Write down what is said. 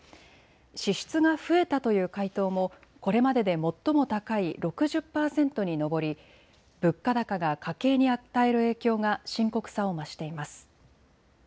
支出が増えたという回答もこれまでで最も高い６０％に上り物価高が家計に与える影響が深刻さを増しています。